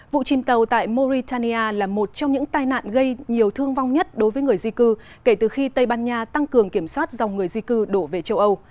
vụ chìm tàu tại mauritania là một trong những tai nạn gây nhiều thương vong nhất đối với người di cư kể từ khi tây ban nha tăng cường kiểm soát dòng người di cư đổ về châu âu